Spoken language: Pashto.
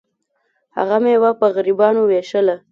هغه میوه په غریبانو ویشله.